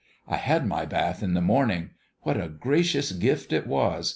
I had my bath in the morning. What a gracious gift it was